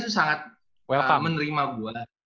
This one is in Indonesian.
tuh sangat menerima gue